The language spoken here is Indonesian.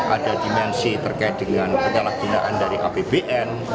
ada dimensi terkait dengan penyalahgunaan dari apbn